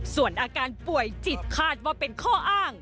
ส่วนอาการป่วยจิตคาดว่าเป็นข้ออ้าง